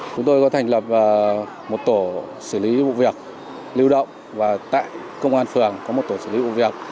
chúng tôi có thành lập một tổ xử lý vụ việc lưu động và tại công an phường có một tổ xử lý vụ việc